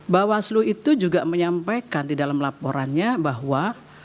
bawaslu itu juga menyampaikan di dalam laporannya bahwa